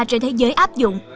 trên thế giới áp dụng